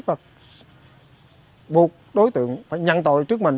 bột đối tượng phải nhận tội trước mình